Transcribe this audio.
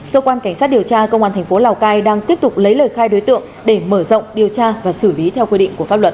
cơ quan cảnh sát điều tra công an thành phố lào cai đang tiếp tục lấy lời khai đối tượng để mở rộng điều tra và xử lý theo quy định của pháp luật